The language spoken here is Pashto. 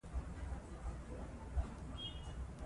دوی به دواړه وي سپاره اولس به خر وي.